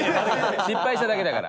失敗しただけだから。